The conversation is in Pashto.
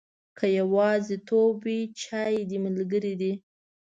که یوازیتوب وي، چای دې ملګری دی.